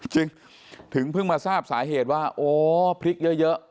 จึงถึงเพิ่งมาทราบสาเหตุว่าโอ้พริกเยอะ